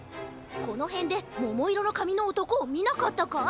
このへんでももいろのかみのおとこをみなかったか？